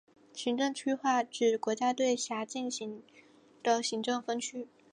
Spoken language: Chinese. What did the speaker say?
行政区划指国家对辖境进行的行政分区。